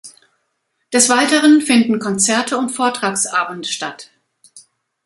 Des Weiteren finden Konzerte und Vortragsabende statt.